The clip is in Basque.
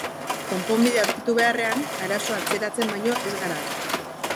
Konponbidea aurkitu beharrean, arazoa atzeratzen baino ez gara ari.